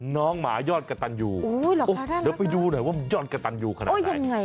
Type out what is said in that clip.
น้องหมายอดกะตันอยู่โอ้ยเหลือไปดูหน่อยว่ามันยอดกะตันอยู่ขนาดไหน